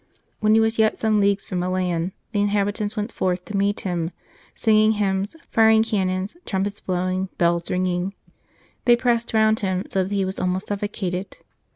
When he was yet some leagues from Milan, the inhabitants went forth to meet him, singing hymns, firing cannon, trumpets blow ing, bells ringing. They pressed round him, so that he was almost suffocated.